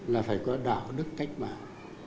là phải có đạo đức cách mạng